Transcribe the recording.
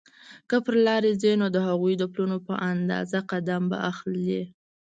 که پر لاره ځې نو د هغوی د پلونو په اندازه قدم به اخلې.